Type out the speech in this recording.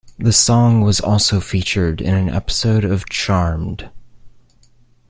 The song was also featured in an episode of "Charmed".